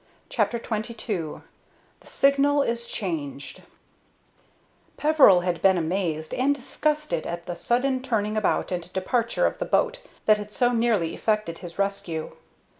CHAPTER XXII THE SIGNAL IS CHANGED Peveril had been amazed and disgusted at the sudden turning about and departure of the boat that had so nearly effected his rescue.